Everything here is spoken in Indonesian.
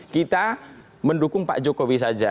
kita mendukung pak jokowi saja